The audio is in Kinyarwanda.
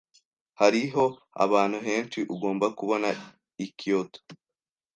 Hariho ahantu henshi ugomba kubona i Kyoto.